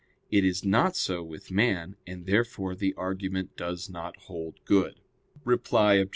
It is not so with man; and therefore the argument does not hold good. Reply Obj.